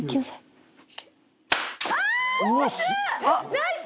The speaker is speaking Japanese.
ナイス！